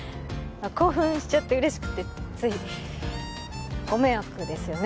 興奮しちゃって嬉しくてついご迷惑ですよね